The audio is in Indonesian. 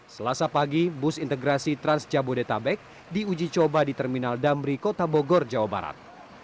selasa pagi bus integrasi trans jabodetabek diuji coba di terminal damri kota bogor jawa barat